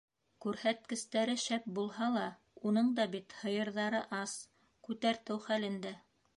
Күрһәткестәре шәп булһа ла уның да бит һыйырҙары ас, күтәртеү хәлендә.